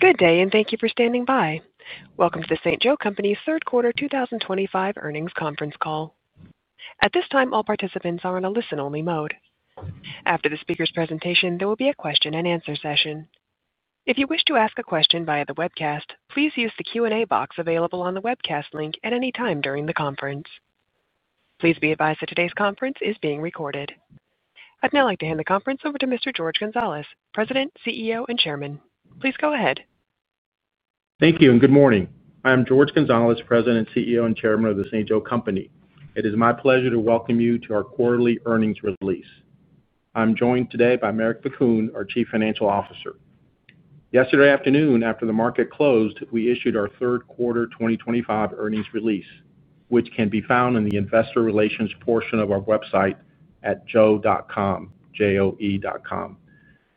Good day and thank you for standing by. Welcome to The St. Joe Company's third quarter 2025 earnings conference call. At this time, all participants are in a listen-only mode. After the speaker's presentation, there will be a question and answer session. If you wish to ask a question via the webcast, please use the Q&A box available on the webcast link. At any time during the conference, please be advised that today's conference is being recorded. I'd now like to hand the conference over to Mr. Jorge Gonzalez, President, CEO, and Chairman. Please go ahead. Thank you and good morning. I am Jorge Gonzalez, President, CEO, and Chairman of The St. Joe Company. It is my pleasure to welcome you to our quarterly earnings release. I'm joined today by Marek Bakun, our Chief Financial Officer. Yesterday afternoon after the market closed, we issued our third quarter 2025 earnings release, which can be found in the Investor Relations portion of our website.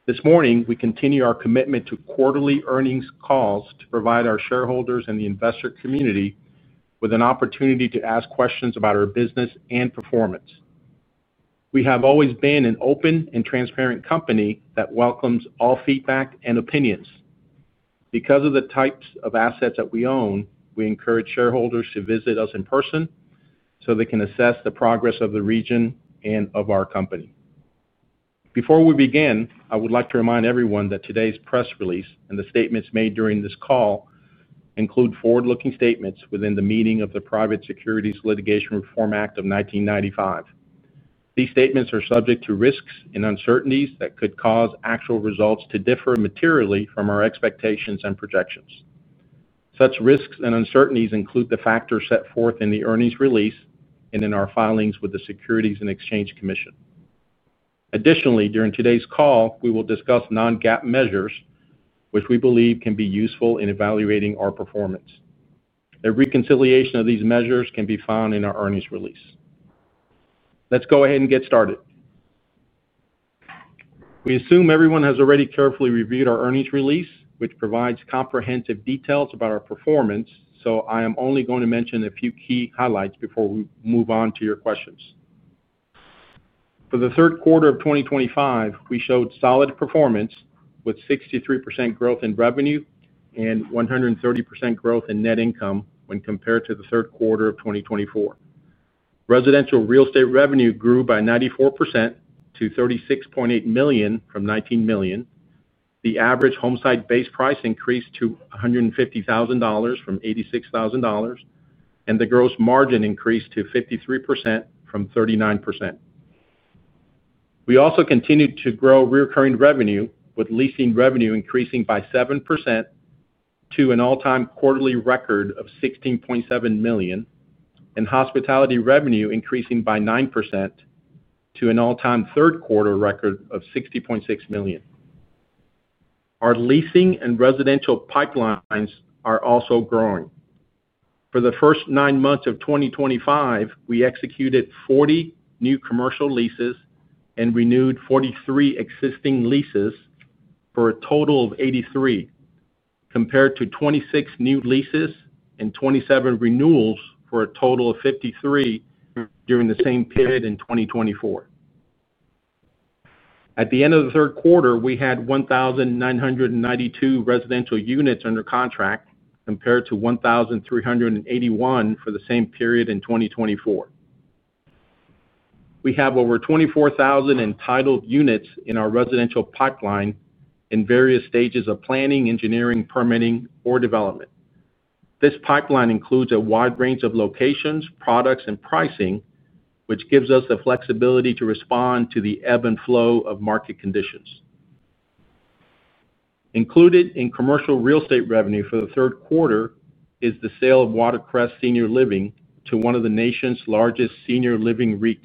This morning we continue our commitment to quarterly earnings calls to provide our shareholders and the investor community with an opportunity to ask questions about our business and performance. We have always been an open and transparent company that welcomes all feedback and opinions. Because of the types of assets that we own, we encourage shareholders to visit us in person so they can assess the progress of the region and of our company. Before we begin, I would like to remind everyone that today's press release and the statements made during this call include forward-looking statements within the meaning of the Private Securities Litigation Reform Act of 1995. These statements are subject to risks and uncertainties that could cause actual results to differ materially from our expectations and projections. Such risks and uncertainties include the factors set forth in the earnings release and in our filings with the Securities and Exchange Commission. Additionally, during today's call we will discuss non-GAAP measures, which we believe can be useful in evaluating our performance. A reconciliation of these measures can be found in our earnings release. Let's go ahead and get started. We assume everyone has already carefully reviewed our earnings release, which provides comprehensive details about our performance, so I am only going to mention a few key highlights before we move on to your questions. For the third quarter of 2025, we showed solid performance with 63% growth in revenue and 130% growth in net income. When compared to the third quarter of 2024, residential real estate revenue grew by 94% to $36.8 million from $19 million. The average homesite base price increased to $150,000 from $86,000 and the gross margin increased to 53% from 39%. We also continued to grow recurring revenue with leasing revenue increasing by 7% to an all-time quarterly record of $16.7 million and hospitality revenue increasing by 9% to an all-time third quarter record of $60.6 million. Our leasing and residential pipelines are also growing. For the first nine months of 2025, we executed 40 new commercial leases and renewed 43 existing leases for a total of 83, compared to 26 new leases and 27 renewals for a total of 53 during the same period in 2024. At the end of the third quarter, we had 1,992 residential units under contract compared to 1,381 for the same period in 2024. We have over 24,000 entitled units in our residential pipeline in various stages of planning, engineering, permitting, or development. This pipeline includes a wide range of locations, products, and pricing, which gives us the flexibility to respond to the ebb and flow of market conditions. Included in commercial real estate revenue for the third quarter is the sale of Watercrest Senior Living to one of the nation's largest senior living REITs.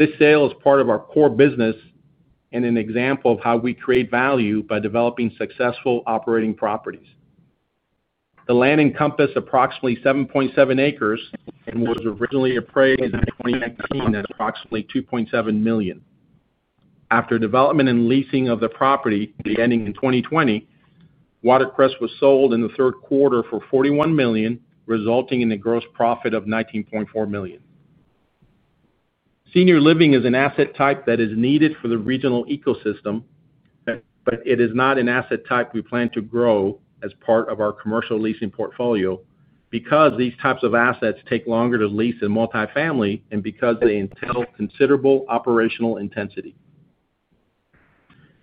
This sale is part of our core business and an example of how we create value by developing successful operating properties. The land encompassed approximately 7.7 acres and was originally appraised in 2019 at approximately $2.7 million. After development and leasing of the property beginning in 2020, Watercrest was sold in the third quarter for $41 million, resulting in a gross profit of $19.4 million. Senior living is an asset type that is needed for the regional ecosystem, but it is not an asset type we plan to grow as part of our commercial leasing portfolio. Because these types of assets take longer to lease than multifamily and because they entail considerable operational intensity,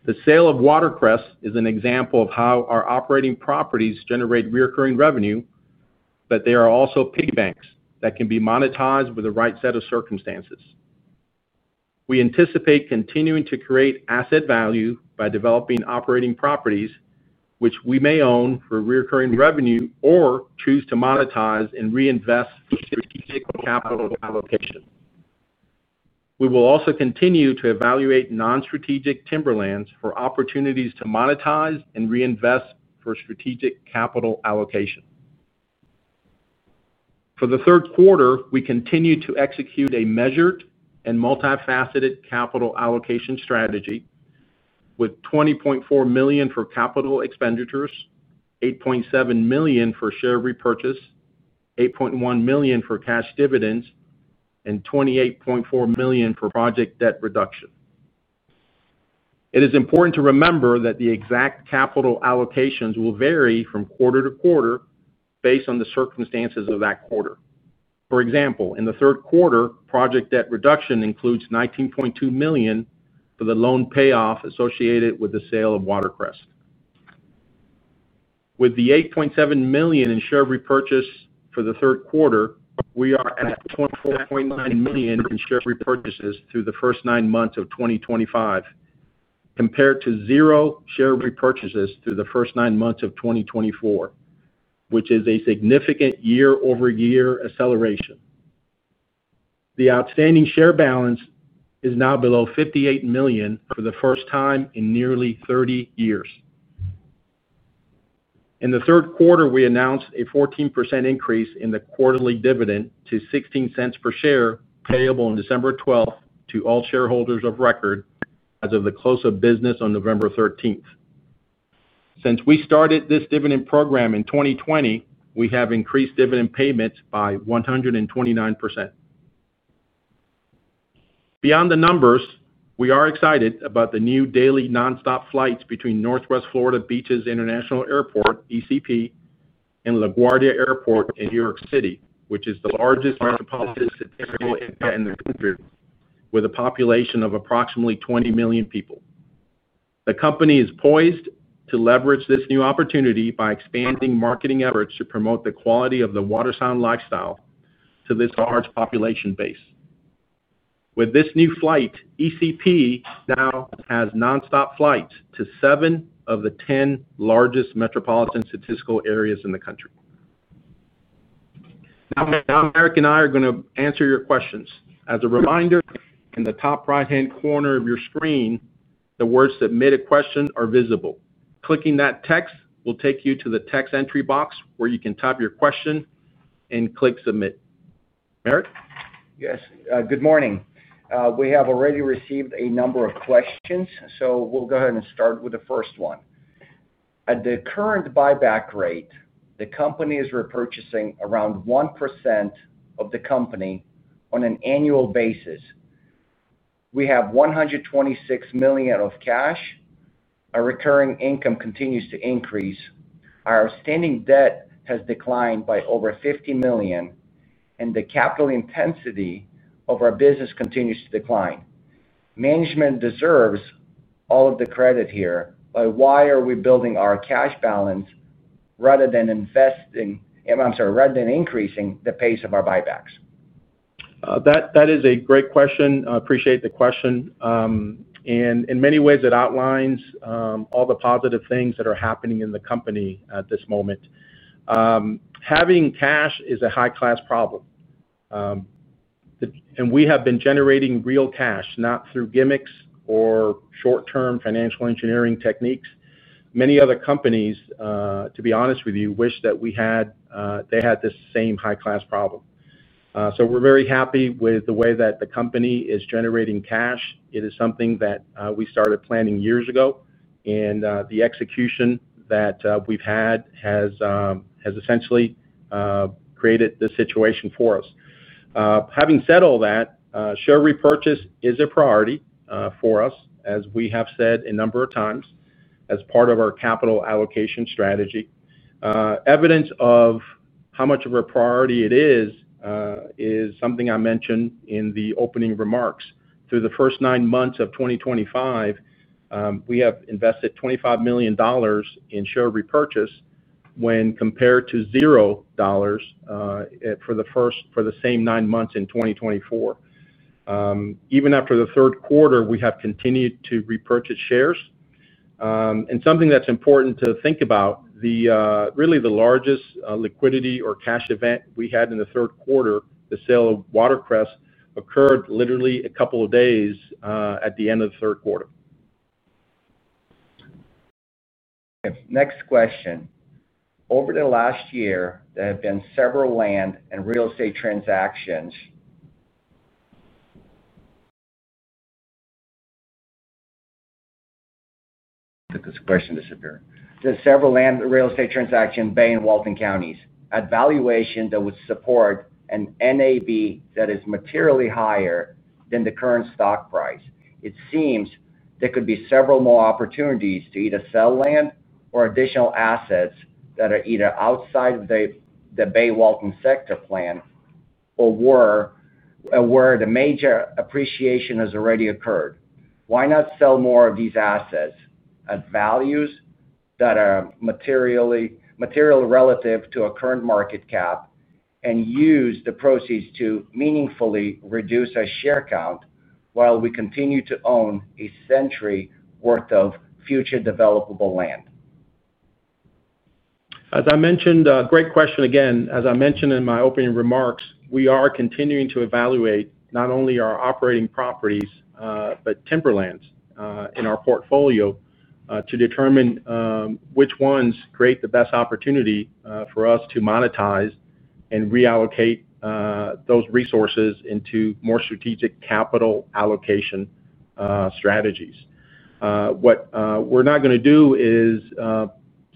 the sale of Watercrest is an example of how our operating properties generate recurring revenue, but there are also piggy banks that can be monetized with the right set of circumstances. We anticipate continuing to create asset value by developing operating properties which we may own for recurring revenue or choose to monetize and reinvest capital allocation. We will also continue to evaluate non-strategic timberlands for opportunities to monetize and reinvest for strategic capital allocation. For the third quarter, we continue to execute a measured and multifaceted capital allocation strategy with $20.4 million for capital expenditures, $8.7 million for share repurchase, $8.1 million for cash dividends, and $28.4 million for project debt reduction. It is important to remember that the exact capital allocations will vary from quarter to quarter based on the circumstances of that quarter. For example, in the third quarter, project debt reduction includes $19.2 million for the loan payoff associated with the sale of Watercrest. With the $8.7 million in share repurchase for the third quarter, we are at $24.9 million in share repurchases through the first nine months of 2025, compared to 0 share repurchases through the first nine months of 2024, which is a significant year-over-year acceleration. The outstanding share balance is now below 58 million for the first time in nearly 30 years. In the third quarter, we announced a 14% increase in the quarterly dividend to $0.16 per share, payable on December 12th to all shareholders of record as of the close of business on November 13th. Since we started this dividend program in 2020, we have increased dividend payments by 129%. Beyond the numbers, we are excited about the new daily nonstop flights between Northwest Florida Beaches International Airport (ECP) and LaGuardia Airport in New York City, which is the largest market pool impact in the country. With a population of approximately 20 million people, the company is poised to leverage this new opportunity by expanding marketing efforts to promote the quality of the Watersound lifestyle to this large population base. With this new flight, ECP now has nonstop flights to 7 of the 10 largest Metropolitan Statistical Areas in the country. Now Marek and I are going to answer your questions. As a reminder, in the top right-hand corner of your screen, the words Submit a Question are visible. Clicking that text will take you to the text entry box where you can type your question and click Submit. Marek, yes, good morning. We have already received a number of questions, so we'll go ahead and start with the first one. At the current buyback rate, the company is repurchasing around 1% of the company. On an annual basis, we have $126 million of cash, our recurring income continues to increase, our outstanding debt has declined by over $50 million, and the capital intensity of our business continues to decline. Management deserves all of the credit here, but why are we building our cash balance rather than investing? I'm sorry, rather than increasing the pace of our buybacks? That is a great question. Appreciate the question and in many ways it outlines all the positive things that are happening in the company at this moment. Having cash is a high class problem and we have been generating real cash not through gimmicks or short term financial engineering techniques. Many other companies, to be honest with you, wish that they had this same high class problem. We are very happy with the way that the company is generating cash. It is something that we started planning years ago and the execution that we've had has essentially created this situation for us. Having said all that, share repurchase is a priority for us, as we have said a number of times as part of our capital allocation strategy. Evidence of how much of a priority it is is something I mentioned in the opening remarks. Through the first nine months of 2025, we have invested $25 million in share repurchase when compared to $0 for the same nine months in 2024. Even after the third quarter we have continued to repurchase shares and something that's important to think about is really the largest liquidity or cash event we had in the third quarter. The sale of Watercrest occurred literally a couple of days at the end of the third quarter. Next question. Over the last year, there have been several land and real estate transactions. There are several land real estate transactions in Bay and Walton counties at valuations that would support an NAV that is materially higher than the current stock price. It seems there could be several more opportunities to either sell land or additional assets that are either outside of the Bay Walton sector plan or where the major appreciation has already occurred. Why not sell more of these assets at values that are material relative to the current market cap and use the proceeds to meaningfully reduce our share count while we continue to own a century worth of future developable land? As I mentioned, great question. Again, as I mentioned in my opening remarks, we are continuing to evaluate not only our operating properties but timberlands in our portfolio to determine which ones create the best opportunity for us to monetize and reallocate those resources into more strategic capital allocation strategies. What we're not going to do is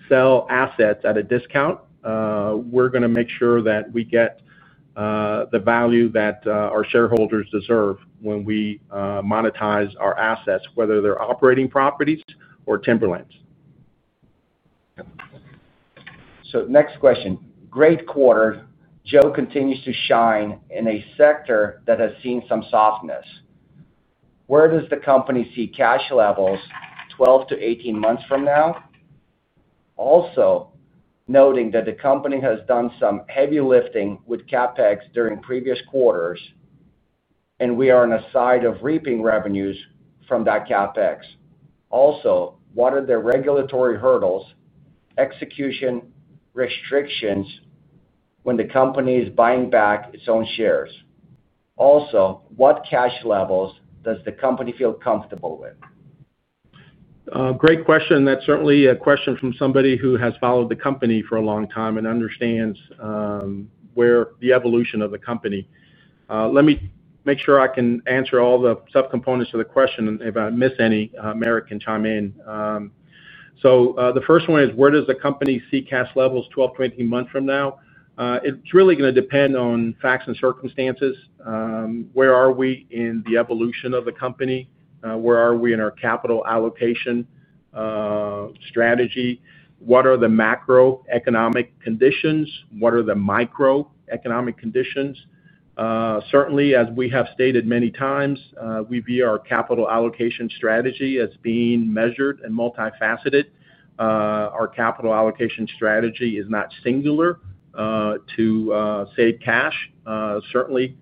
sell assets at a discount. We're going to make sure that we get the value that our shareholders deserve when we monetize our assets, whether they're operating properties or timberlands. Next question. Great quarter. Joe continues to shine in a sector that has seen some softness. Where does the company see cash levels 12-18 months from now? Also noting that the company has done some heavy lifting with CapEx during previous quarters and we are on a side of reaping revenues from that CapEx. What are the regulatory hurdles, execution restrictions when the company is buying back its own shares? What cash levels does the company feel comfortable with? Great question. That's certainly a question from somebody who has followed the company for a long time and understands the evolution of the company. Let me make sure I can answer all the subcomponents of the question. If I miss any, Marek can chime in. The first one is where does the company see cash levels 12, 20 months from now? It's really going to depend on facts and circumstances. Where are we in the evolution of the company? Where are we in our capital allocation strategy? What are the macroeconomic conditions? What are the microeconomic conditions? Certainly, as we have stated many times, we view our capital allocation strategy as being measured and multifaceted. Our capital allocation strategy is not singular to save cash. Certainly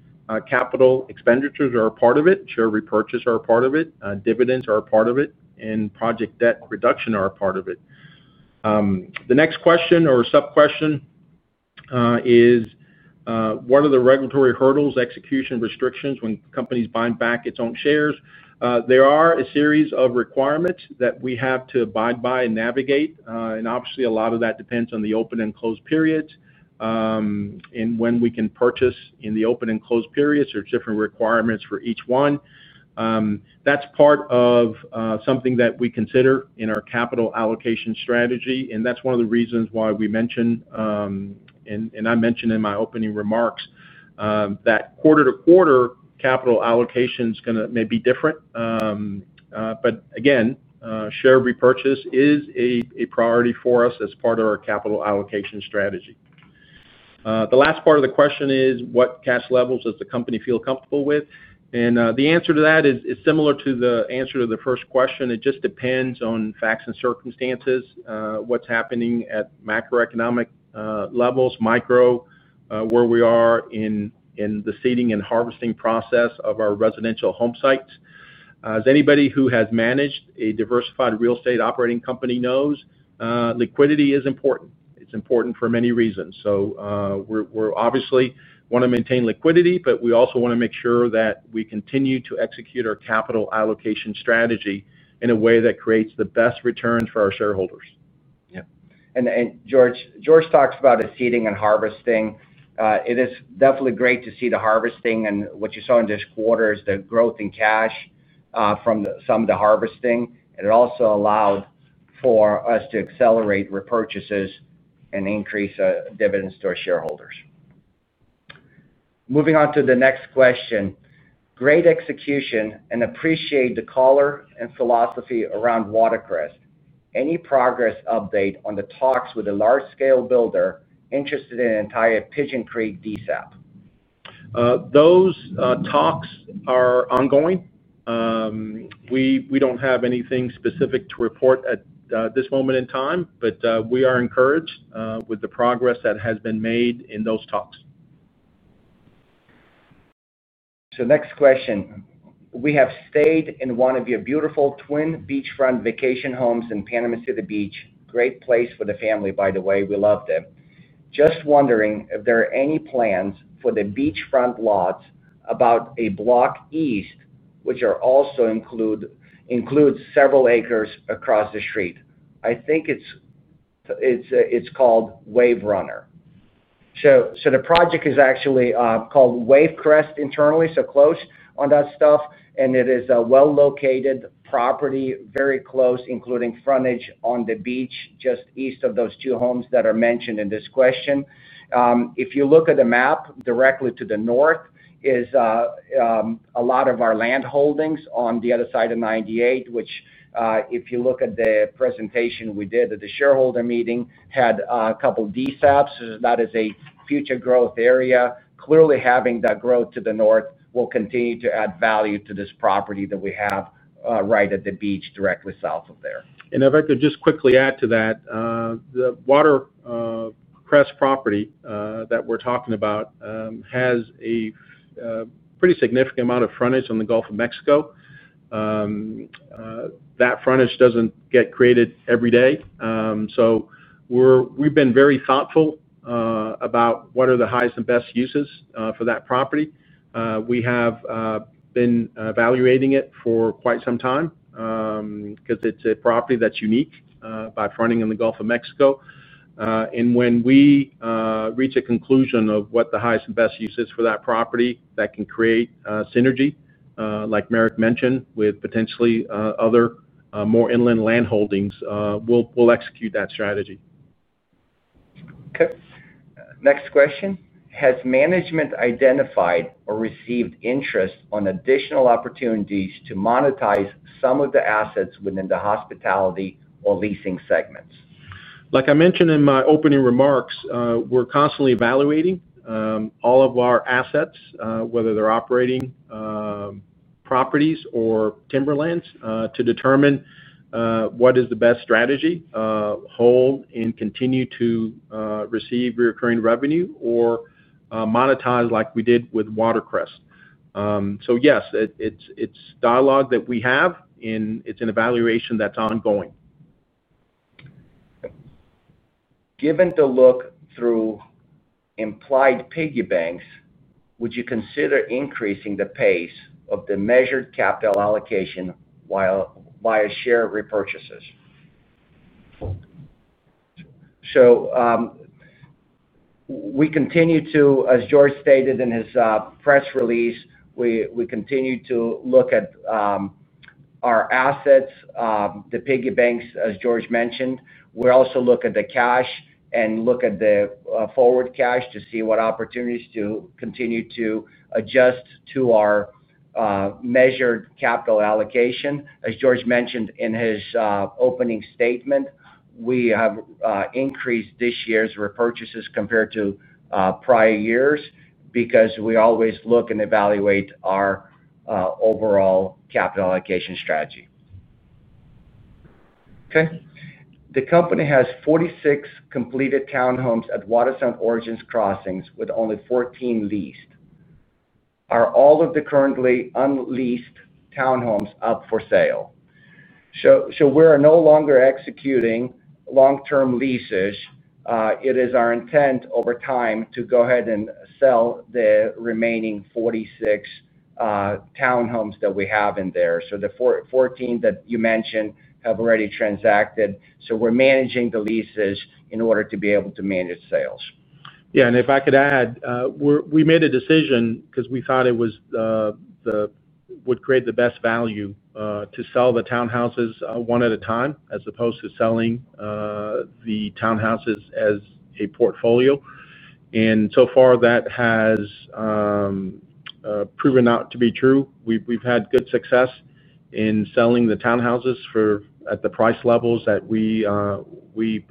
capital expenditures are a part of it. Share repurchases are a part of it, dividends are a part of it, and project debt reduction are a part of it. The next question or sub question is what are the regulatory hurdles, execution restrictions when companies are buying back their own shares? There are a series of requirements that we have to abide by and navigate, and obviously a lot of that depends on the open and closed periods and when we can purchase in the open and closed periods. There are different requirements for each one. That's part of something that we consider in our capital allocation strategy, and that's one of the reasons why we mentioned and I mentioned in my opening remarks that quarter to quarter capital allocation may be different, but again, share repurchase is a priority for us as part of our capital allocation strategy. The last part of the question is what cash levels does the company feel comfortable with? The answer to that is similar to the answer to the first question. It just depends on facts and circumstances. What's happening at macroeconomic levels, micro, where we are in the seeding and harvesting process of our residential home sites. As anybody who has managed a diversified real estate operating company knows, liquidity is important. It's important for many reasons. We obviously want to maintain liquidity, but we also want to make sure that we continue to execute our capital allocation strategy in a way that creates the best returns for our shareholders. Yeah, and Jorge talks about seeding and harvesting. It is definitely great to see the harvesting, and what you saw in this quarter is the growth in cash from some of the harvesting, and it also allowed for us to accelerate repurchases and increase dividends to our shareholders. Moving on to the next question. Great execution and appreciate the caller and philosophy around Watercrest. Any progress update on the talks with a large scale builder interested in entire Pigeon Creek DSAP? Those talks are ongoing. We don't have anything specific to report at this moment, but we are encouraged with the progress that has been made in those talks. Next question. We have stayed in one of your beautiful twin beachfront vacation homes in Panama City Beach. Great place for the family, by the way. We love them. Just wondering if there are any plans for the beachfront lots about a block east, which also includes several acres across the street. I think it's called Waverunner, but the project is actually called Wavecrest internally. Close on that stuff. It is a well-located property, very close, including frontage on the beach just east of those two homes that are mentioned in this question. If you look at the map, directly to the north is a lot of our land holdings on the other side of 98, which, if you look at the presentation we did at the shareholder meeting, had a couple DSAPs. That is a future growth area. Clearly, having that growth to the north will continue to add value to this property that we have right at the beach directly south of there. If I could just quickly add to that, the Watercrest property that we're talking about has a pretty significant amount of frontage on the Gulf of Mexico. That frontage doesn't get created every day. We've been very thoughtful about what are the highest and best uses for that property. We have been evaluating it for quite some time because it's a property that's unique by fronting the Gulf of Mexico. When we reach a conclusion of what the highest and best use is for that property, that can create synergy, like Marek mentioned, with potentially other more inland land holdings. We'll execute that strategy. Next question, has management identified or received interest on additional opportunities to monetize some of the assets within the hospitality or leasing segments? Like I mentioned in my opening remarks, we're constantly evaluating all of our assets, whether they're operating properties or timberlands, to determine what is the best strategy, hold and continue to receive recurring revenue or monetize like we did with Watercrest. Yes, it's dialogue that we have and it's an evaluation that's ongoing. Given the look through implied piggy banks, would you consider increasing the pace of the measured capital allocation via share repurchases? We continue to, as Jorge mentioned in his press release, look at our assets, the piggy banks. As Jorge mentioned, we also look at the cash and look at the forward cash to see what opportunities to continue to adjust to our measured capital allocation. As Jorge mentioned in his opening statement, we have increased this year's repurchases compared to prior years because we always look and evaluate our overall capital allocation strategy. The company has 46 completed townhomes at Waterstone Origins Crossings with only 14 leased. Are all of the currently unleased townhomes up for sale? We are no longer executing long term leases. It is our intent over time to go ahead and sell the remaining 46 townhomes that we have in there. The 14 that you mentioned have already transacted. We are managing the leases in order to be able to manage sales. Yeah. If I could add, we made a decision because we thought it would create the best value to sell the townhouses one at a time as opposed to selling the townhouses as a portfolio. That has proven out to be true. We've had good success in selling the townhouses at the price levels that we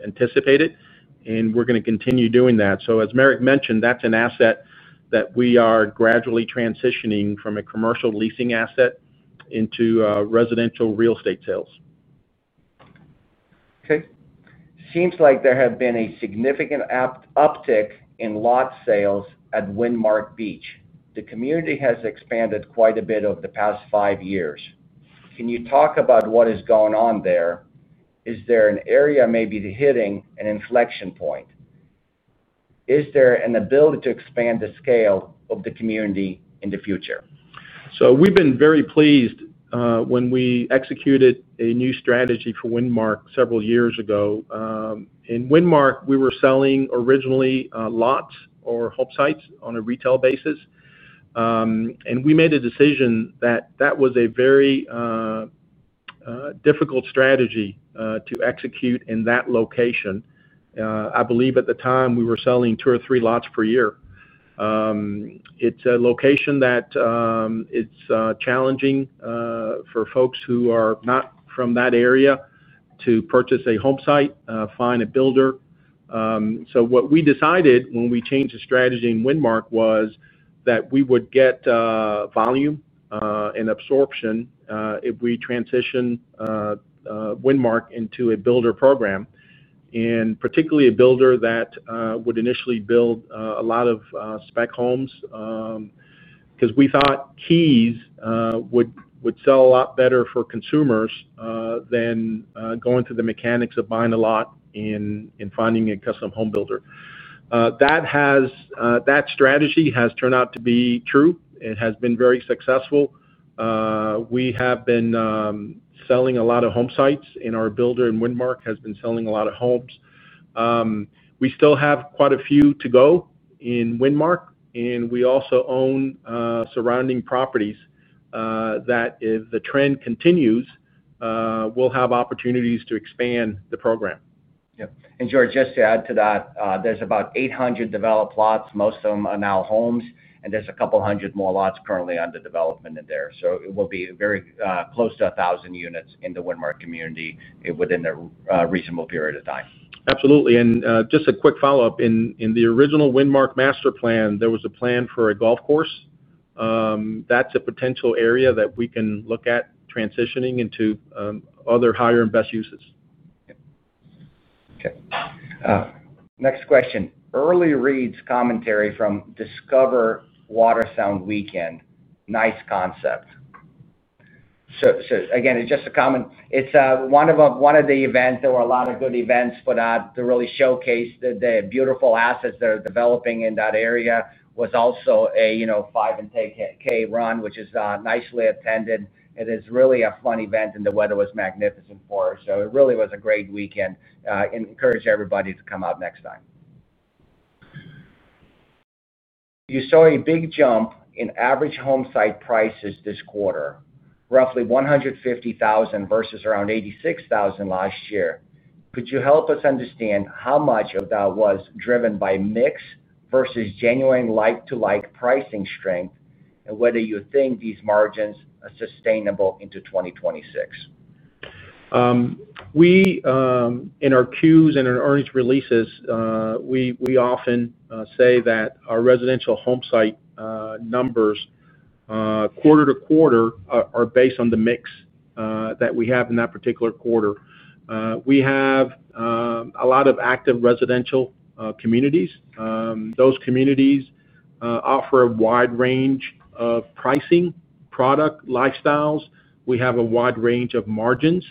anticipated and we're going to continue doing that. As Marek mentioned, that's an asset that we are gradually transitioning from a commercial leasing asset into residential real estate sales. Okay. Seems like there have been a significant uptick in lot sales at Windmark Beach. The community has expanded quite a bit over the past five years. Can you talk about what is going on there? Is there an area maybe hitting an inflection point? Is there an ability to expand the scale of the community in the future? We have been very pleased when we executed a new strategy for Windmark several years ago. In Windmark, we were selling originally lots or home sites on a retail basis. We made a decision that that was a very difficult strategy to execute in that location. I believe at the time we were selling two or three lots per year. It's a location that it's challenging for folks who are not from that area to purchase a home site, find a builder. What we decided when we changed the strategy in Windmark was that we would get volume and absorption if we transitioned Windmark into a builder program, and particularly a builder that would initially build a lot of spec homes because we thought keys would sell a lot better for consumers than going through the mechanics of buying a lot and finding a custom home builder. That strategy has turned out to be true. It has been very successful. We have been selling a lot of home sites in. Our builder in Windmark has been selling a lot of homes. We still have quite a few to go in Windmark and we also own surrounding properties that if the trend continues, we'll have opportunities to expand the program. Jorge, just to add to that, there's about 800 developed lots. Most of them are now homes, and there's a couple hundred more lots currently under development in there. It will be very close to 1,000 units in the Windmark community within a reasonable period of time. Absolutely. Just a quick follow up. In the original Windmark master plan, there was a plan for a golf course. That's a potential area that we can look at transitioning into other higher and best uses. Next question. Early reads commentary from Discover Wateround weekend. Nice concept. Again, it's just a comment. It's one of the events. There were a lot of good events put out to really showcase the beautiful assets that are developing in that area. There was also a 5K, 10K run which was nicely attended. It is really a fun event and the weather was magnificent for us, so it really was a great weekend. Encourage everybody to come out next time. You saw a big jump in average home site prices this quarter, roughly $150,000 versus around $86,000 last year. Could you help us understand how much of that was driven by mix versus genuine like-to-like pricing strength and whether you think these margins are sustainable into 2026? We, in our Q.S. and earnings releases, often say that our residential home site numbers quarter to quarter are based on the mix that we have in that particular quarter. We have a lot of active residential communities. Those communities offer a wide range of pricing, product, lifestyles. We have a wide range of margins.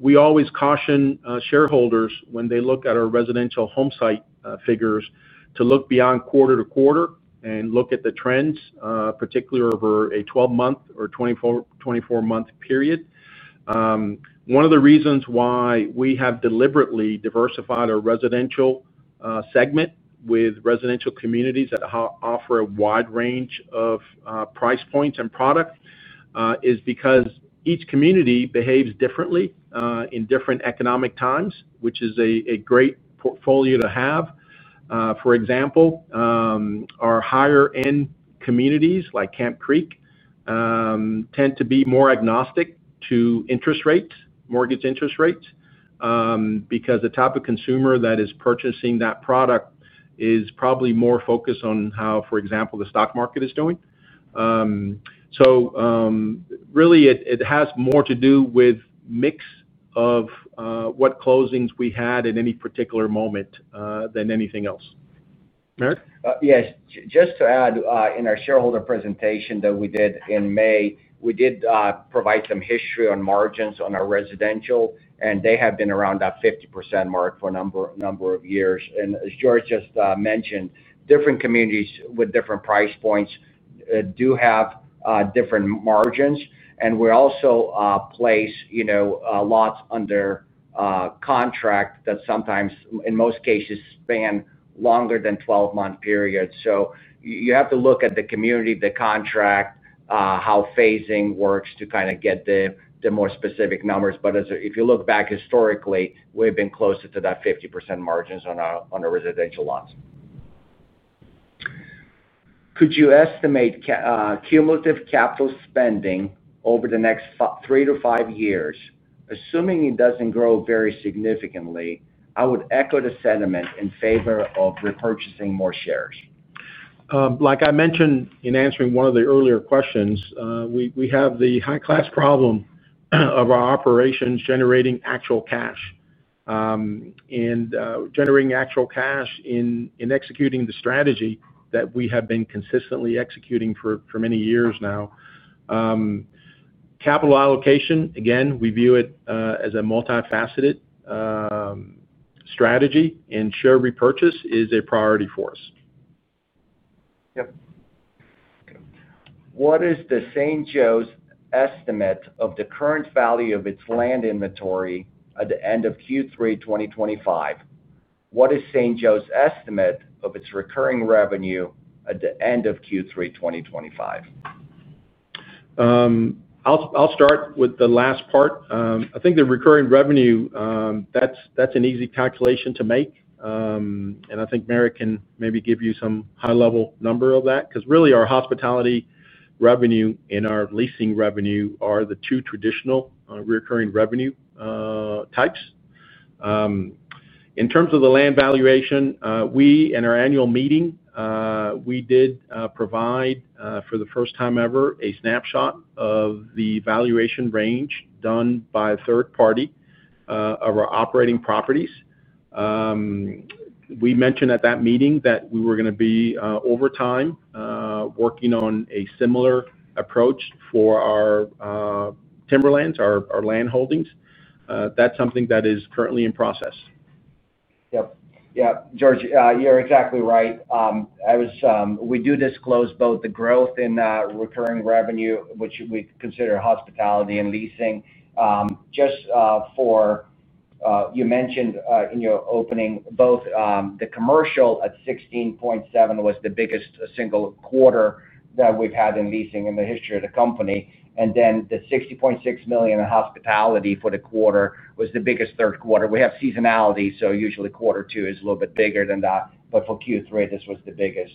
We always caution shareholders when they look at our residential home site figures to look beyond quarter to quarter and look at the trends, particularly over a 12-month or 24-month period. One of the reasons why we have deliberately diversified our residential segment with residential communities that offer a wide range of price points and product is because each community behaves differently in different economic times, which is a great portfolio to have. For example, our higher end communities like Camp Creek tend to be more agnostic to interest rates, mortgage interest rates, because the type of consumer that is purchasing that product is probably more focused on how, for example, the stock market is doing. It has more to do with mix of what closings we had at any particular moment than anything else. Yes. Just to add, in our shareholder presentation that we did in May, we did provide some history on margins on our residential and they have been around that 50% mark for a number of years. As Jorge just mentioned, different communities with different price points do have different margins. We also place lots under contract that sometimes, in most cases, span longer than 12-month periods. You have to look at the community, the contract, how phasing works to kind of get the more specific numbers. If you look back historically, we've been closer to that 50% margins on our residential lots. Could you estimate cumulative capital spending over the next three to five years? Assuming it doesn't grow very significantly, I would echo the sentiment in favor of repurchasing more shares. Like I mentioned in answering one of the earlier questions, we have the high-class problem of our operations generating actual cash and generating actual cash in executing the strategy that we have been consistently executing for many years now. Capital allocation, again, we view it as a multifaceted strategy, and share repurchase is a priority for us. What is The St. Joe's estimate of the current value of its land inventory at the end of Q3 2025? What is The St. Joe's estimate of its recurring revenue at the end of Q3 2025? I'll start with the last part. I think the recurring revenue, that's an easy calculation to make and I think Marek can maybe give you some high level number of that because really our hospitality revenue and our leasing revenue are the two traditional recurring revenue types. In terms of the land valuation, we in our annual meeting we did provide for the first time ever a snapshot of the valuation range done by a third party of our operating properties. We mentioned at that meeting that we were going to be over time working on a similar approach for our timberlands, our land holdings. That's something that is currently in process. Yeah, Jorge, you're exactly right. We do disclose both the growth in recurring revenue, which we consider hospitality and leasing. Just like you mentioned in your opening, both the commercial at $16.7 million was the biggest single quarter that we've had in leasing in the history of the company, and then the $60.6 million in hospitality for the quarter was the biggest third quarter. We have seasonality, so usually quarter two is a little bit bigger than that, but for Q3, this was the biggest.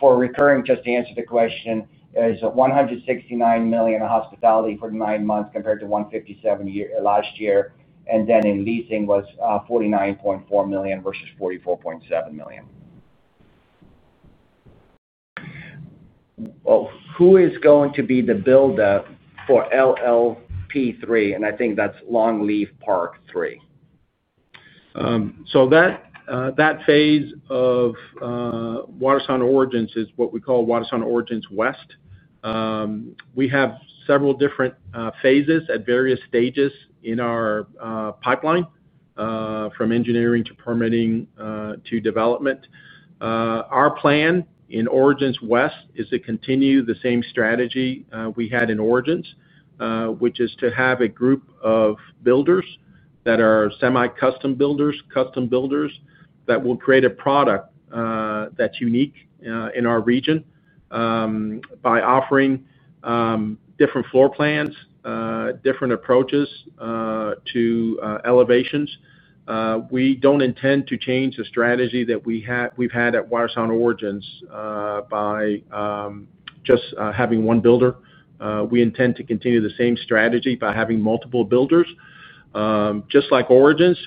For recurring, just to answer the question, it's $169 million in hospitality for nine months compared to $157 million last year, and then in leasing was $49.4 million versus $44.7 million. Who is going to be the builder for LLP 3? I think that's Longleaf Park 3. That phase of Watersound Origins is what we call Watersound Origins West. We have several different phases at various stages in our pipeline, from engineering to permitting to development. Our plan in Origins West is to continue the same strategy we had in Origins, which is to have a group of builders that are semi custom builders, custom builders that will create a product that's unique in our region by offering different floor plans, different approaches to elevations. We don't intend to change the strategy that we've had at Watersound Origins by just having one builder. We intend to continue the same strategy by having multiple builders just like Origins.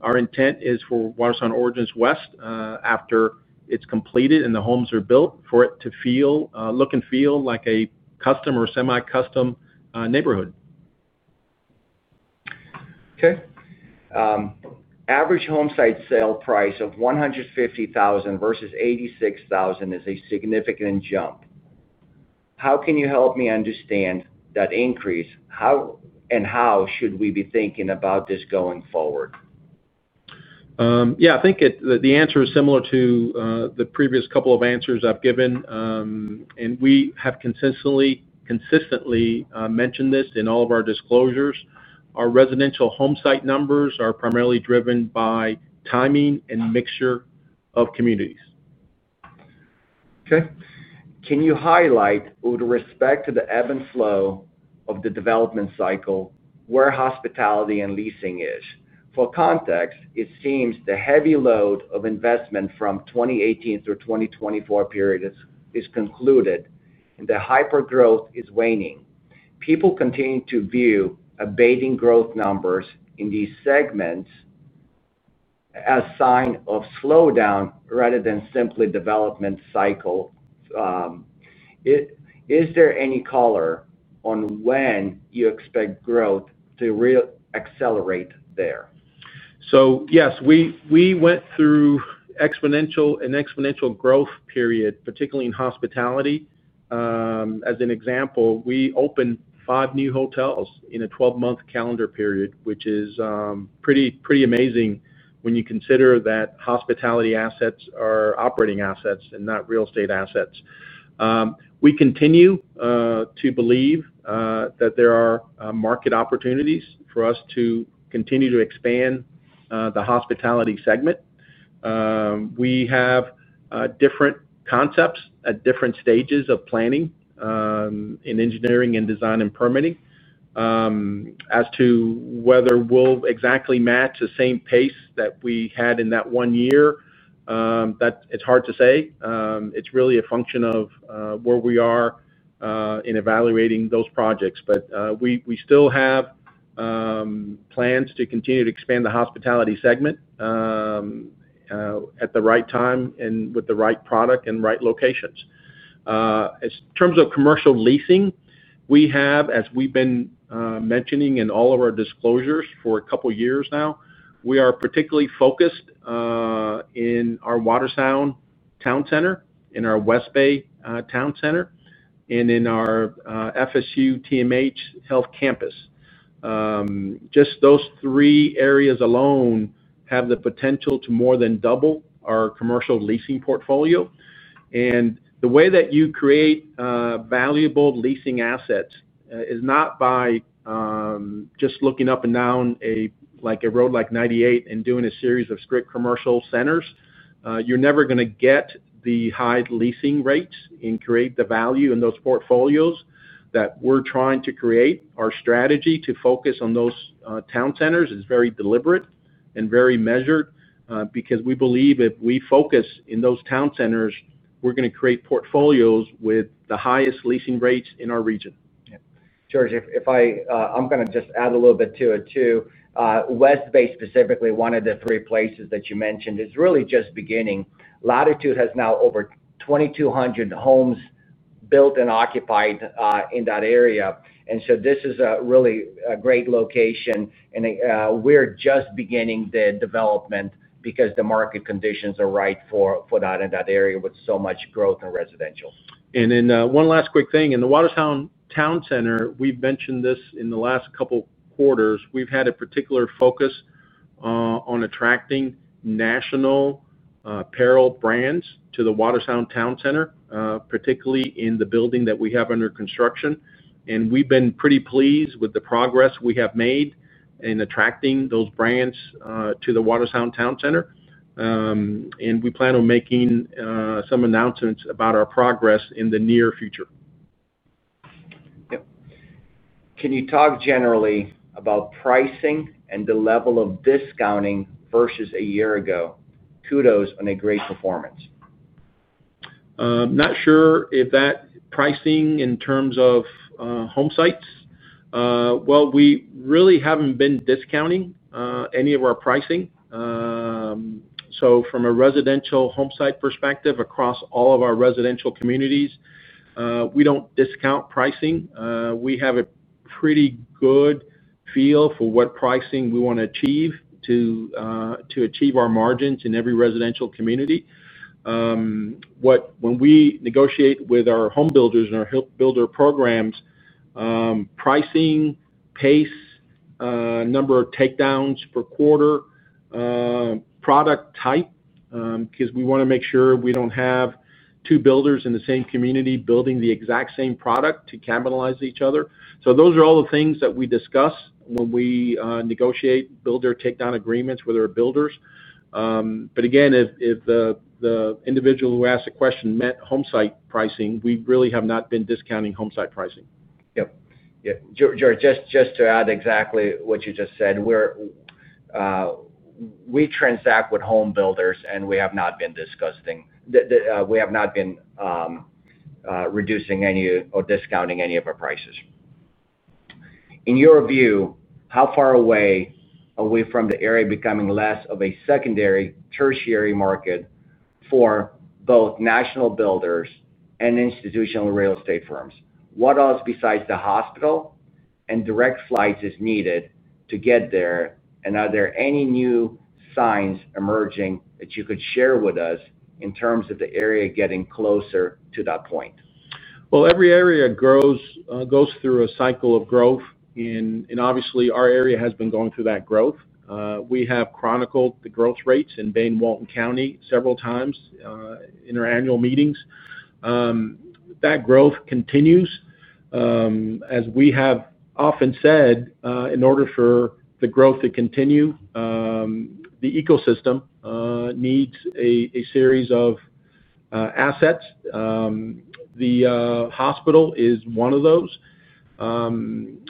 Our intent is for Watersound Origins West, after it's completed and the homes are built, for it to look and feel like a custom or semi custom neighborhood. Okay. Average home site sale price of $150,000 versus $86,000 is a significant jump. How can you help me understand that increase, and how should we be thinking about this going forward? Yeah, I think the answer is similar to the previous couple of answers I've given, and we have consistently mentioned this in all of our disclosures. Our residential home site numbers are primarily driven by timing and mixture of communities. Okay, can you highlight with respect to the ebb and flow of the development cycle where hospitality and leasing is? For context, it seems the heavy load of investment from 2018 through 2024 period is concluded, and the hyper growth is waning. People continue to view abating growth numbers in these segments as a sign of slowdown rather than simply development cycle. Is there any color on when you expect growth to accelerate there? Yes, we went through an exponential growth period, particularly in hospitality. As an example, we opened five new hotels in a 12-month calendar period, which is pretty amazing when you consider that hospitality assets are operating assets and not real estate assets. We continue to believe that there are market opportunities for us to continue to expand the hospitality segment. We have different concepts at different stages of planning, engineering, design, and permitting. As to whether we'll exactly match the same pace that we had in that one year, it's hard to say. It's really a function of where we are in evaluating those projects. We still have plans to continue to expand the hospitality segment at the right time and with the right product and right locations. In terms of commercial leasing, we have, as we've been mentioning in all of our disclosures for a couple of years now, we are particularly focused in our Watersound Town Center, in our West Bay Town Center, and in our FSU TMH Health Campus. Just those three areas alone have the potential to more than double our commercial leasing portfolio. The way that you create valuable leasing assets is not by just looking up and down a road like 98 and doing a series of strict commercial centers. You're never going to get the high leasing rates and create the value in those portfolios that we're trying to create. Our strategy to focus on those town centers is very deliberate and very measured because we believe if we focus in those town centers, we're going to create portfolios with the highest leasing rates in our region. Jorge, I'm going to just add a little bit to it too. West Bay, specifically, one of the three places that you mentioned, is really just beginning. Latitude has now over 2,200 homes built and occupied in that area. This is a really great location, and we're just beginning the development because the market conditions are right for that in that area with so much growth in residential. One last quick thing in the Watersound Town Center, we mentioned this. In the last couple quarters we've had a particular focus on attracting national apparel brands to the Watersound Town Center, particularly in the building that we have under construction. We've been pretty pleased with the progress we have made in attracting those brands to the Watersound Town Center, and we plan on making some announcements about our progress in the near future. Can you talk generally about pricing and the level of discounting versus a year ago? Kudos on a great performance. Not sure if that pricing in terms of home sites? We really haven't been discounting any of our pricing. From a residential home site perspective, across all of our residential communities, we don't discount pricing. We have a pretty good feel for what pricing we want to achieve to achieve our margins in every residential community. When we negotiate with our home builders and our builder programs, pricing pace, number of takedowns per quarter, product type, because we want to make sure we don't have two builders in the same community building the exact same product to capitalize each other. Those are all the things that we discuss when we negotiate builder take down agreements with our builders. Again, if the individual who asked the question meant home site pricing, we really have not been discounting home site pricing. Jorge, just to add exactly what you just said, we transact with home builders and we have not been discussing, we have not been reducing any or discounting any of our prices. In your view, how far away are we from the area becoming less of a secondary or tertiary market for both national builders and institutional real estate firms? What else besides the hospital and direct flights is needed to get there? Are there any new signs emerging that you could share with us in terms of the area getting closer to that point? Every area goes through a cycle of growth and obviously our area has been going through that growth. We have chronicled the growth rates in Bay and Walton County several times in our annual meetings. That growth continues. As we have often said, in order for the growth to continue, the ecosystem needs a series of assets. The hospital is one of those. I'm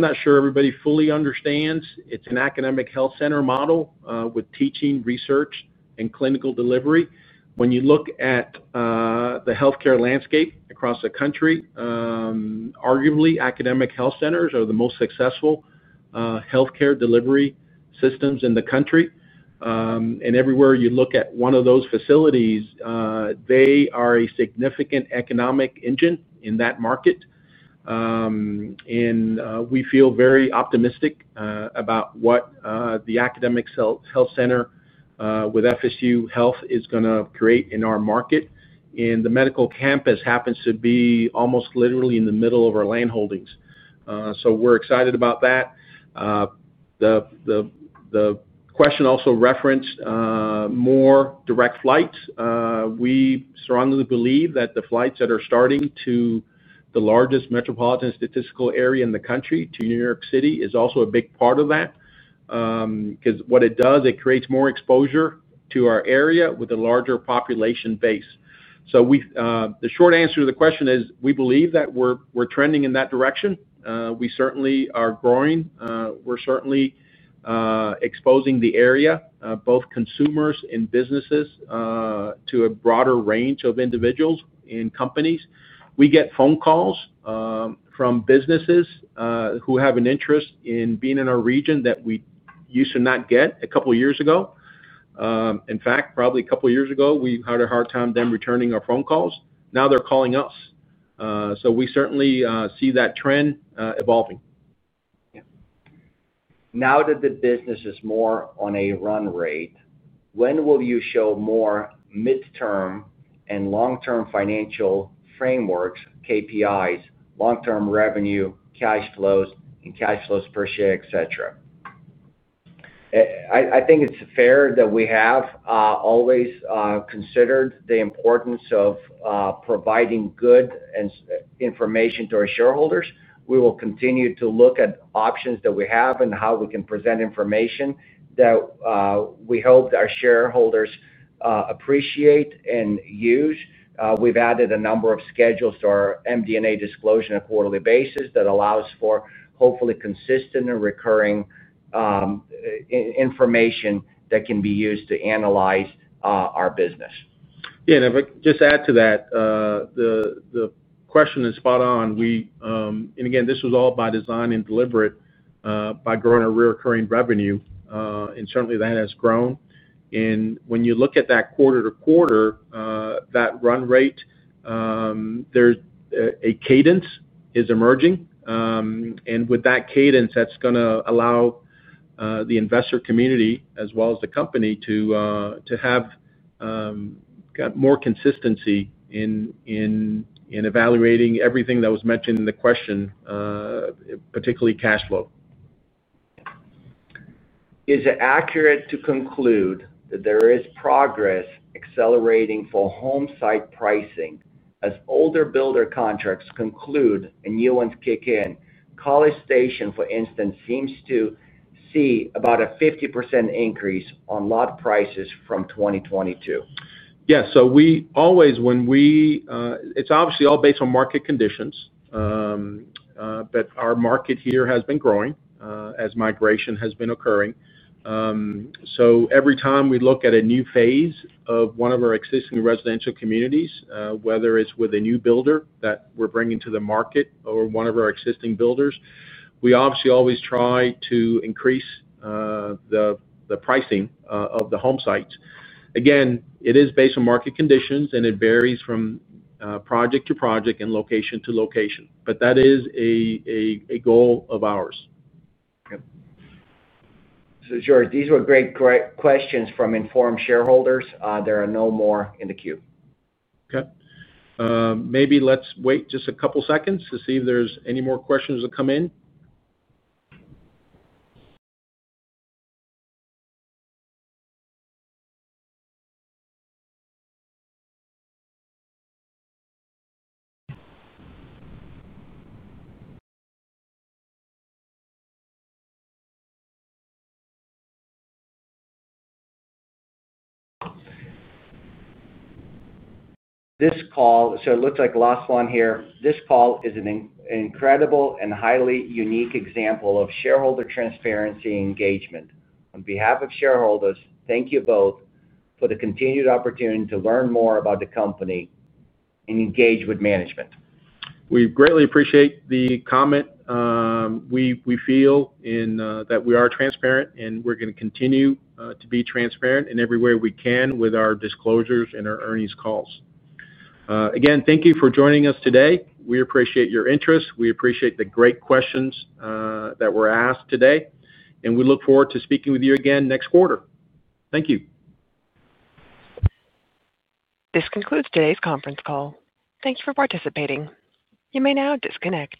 not sure everybody fully understands it's an academic health center model with teaching, research, clinical delivery. When you look at the healthcare landscape across the country, arguably academic health centers are the most successful healthcare delivery systems in the country. Everywhere you look at one of those facilities, they are a significant economic engine in that market. We feel very optimistic about what the academic health center with FSU Health is going to create in our market. The medical campus happens to be almost literally in the middle of our land holdings, so we're excited about that. The question also referenced more direct flights. We strongly believe that the flights that are starting to the largest metropolitan statistical area in the country, to New York City, are also a big part of that because what it does is it creates more exposure to our area with a larger population base. The short answer to the question is we believe that we're trending in that direction. We certainly are growing. We're certainly exposing the area, both consumers and businesses, to a broader range of individuals and companies. We get phone calls from businesses who have an interest in being in our region that we used to not get a couple years ago. In fact, probably a couple years ago we had a hard time getting them to return our phone calls. Now they're calling us. We certainly see that trend evolving. Now that the business is more on a run rate, when will you show more midterm and long term financial frameworks, KPIs, long term revenue, cash flows, and cash flows per share, etc.? I think it's fair that we have always considered the importance of providing good information to our shareholders. We will continue to look at options that we have and how we can present information that will, we hope, our shareholders appreciate and use. We've added a number of schedules to our MD&A disclosure on a quarterly basis that allows for hopefully consistent and recurring information that can be used to analyze our business. Yeah, just to add to that. The question is spot on. This was all by design and deliberate by growing our recurring revenue and certainly that has grown. When you look at that quarter to quarter, that run rate, a cadence is emerging and with that cadence that's going to allow the investor community as well as the company to have more consistency in evaluating everything that was mentioned in the question, particularly cash flow. Is it accurate to conclude that there is progress accelerating for home site pricing as older builder contracts conclude and new ones kick in? College Station, for instance, seems to see about a 50% increase on lot prices from 2022. Yes, we always. When we. It's obviously all based on market conditions, but our market here has been growing as migration has been occurring. Every time we look at a new phase of one of our existing residential communities, whether it's with a new builder that we're bringing to the market or one of our existing builders, we obviously always try to increase the pricing of the home sites. Again, it is based on market conditions and it varies from project to project and location to location. That is a goal of ours. Jorge, these were great questions from informed shareholders. There are no more in the queue. Okay, maybe let's wait just a couple seconds to see if there's any more questions that come in. It looks like last one here. This call is an incredible and highly unique example of shareholder transparency engagement. On behalf of shareholders, thank you both for the continued opportunity to learn more about the company and engage with management. We greatly appreciate the comment. We feel that we are transparent and we're going to continue to be transparent in every way we can with our disclosures and our earnings calls. Again, thank you for joining us today. We appreciate your interest. We appreciate the great questions that were asked today, and we look forward to speaking with you again next quarter. Thank you. This concludes today's conference call. Thank you for participating. You may now disconnect.